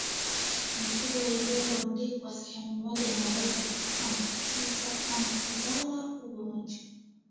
Mifugo iliyorundikwa sehemu moja inaweza ambukizana ugonjwa